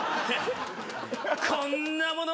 こんなもの！